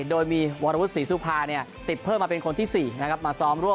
โดยมีวรวุฒิศรีสุภาติดเพิ่มมาเป็นคนที่๔นะครับมาซ้อมร่วม